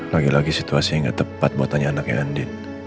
lagi lagi situasi yang gak tepat buat tanya anaknya andi